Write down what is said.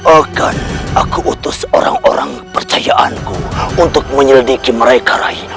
akan aku utus orang orang percayaanku untuk menyelidiki mereka